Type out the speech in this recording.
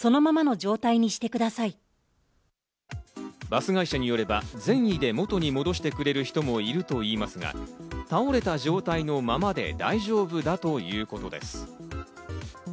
バス会社によれば、善意で元に戻してくれる人もいるといいますが、倒れた状態のままで大丈夫だということです。